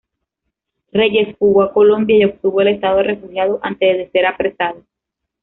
Reyes fugó a Colombia y obtuvo el estado de refugiado antes de ser apresado.